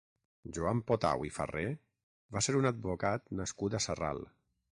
Joan Potau i Farré va ser un advocat nascut a Sarral.